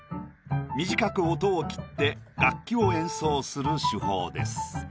短く音を切って楽器を演奏する手法です。